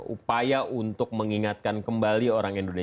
upaya untuk mengingatkan orang indonesia tentang peristiwa g tiga puluh spki